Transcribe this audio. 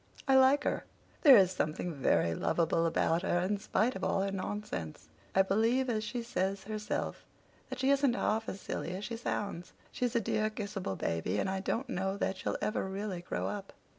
"I like her. There is something very lovable about her, in spite of all her nonsense. I believe, as she says herself, that she isn't half as silly as she sounds. She's a dear, kissable baby—and I don't know that she'll ever really grow up."